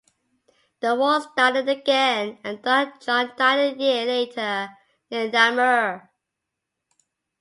The war started again and Don John died a year later near Namur.